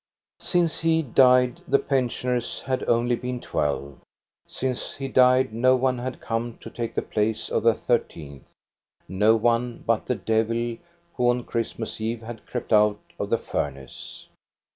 Since he died the pensioners had only been twelve ; since he died no one had come to take the place of the thirteenth, — no one but the devil, who on Christ mas Eve had crept out of the furnace.